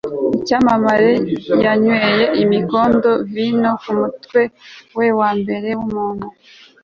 icyamamare yanyweye imikindo-vino kumutwe we wambere wumuntu